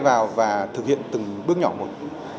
vào và thực hiện từng bước nhỏ một